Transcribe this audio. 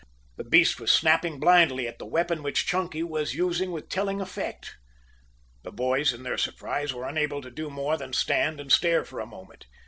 The beast was snapping blindly at the weapon which Chunky was using with telling effect. The boys in their surprise were unable to do more than stand and stare for the moment.